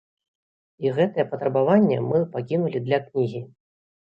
І гэтае патрабаванне мы пакінулі для кнігі.